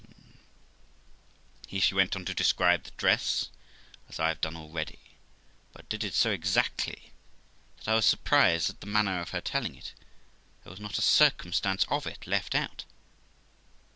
Here she went on to describe the dress, as I have done already; but did it so exactly that I was surprised at the manner of her telling it ; there was not a circumstance of it left out.